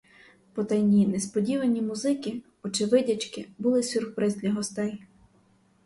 Потайні, несподівані музики, очевидячки, були сюрприз для гостей.